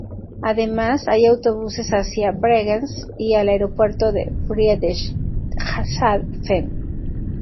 Además hay autobuses hacia Bregenz y al aeropuerto de Friedrichshafen.